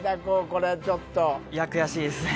これちょっといや悔しいですね